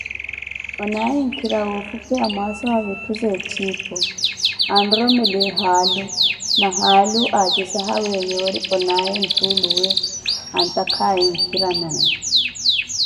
Onaaye nkhira woofupheya mwaasa wa vitthu za etthiipo, anroromeliye haalu, na haalu acisahawiye yoori onaaye ntuulu antakhaaye nkhira naye.